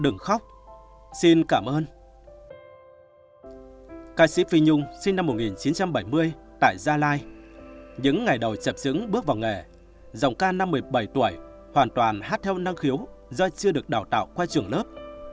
những ngày đầu chập xứng bước vào nghề dòng ca năm một mươi bảy tuổi hoàn toàn hát theo năng khiếu do chưa được đào tạo qua trường lớp